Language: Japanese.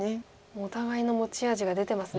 お互いの持ち味が出てますね。